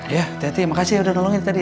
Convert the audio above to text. ya hati hati makasih udah nolongin tadi ya